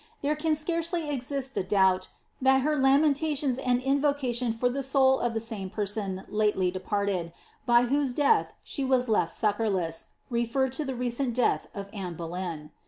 There can scarcely exist a doubt, that her lamentation and invocation for the soul of some person lately departed, by whose death she was lefl succourless, refer to the recent death of Anne Boleyn.